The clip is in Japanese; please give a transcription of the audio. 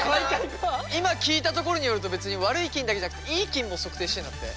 今聞いたところによると別に悪い菌だけじゃなくていい菌も測定してんだって。